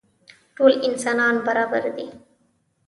ټول انسانان برابر دي.